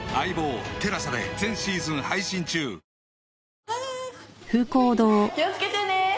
気をつけてね。